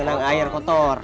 ya genangan air kotor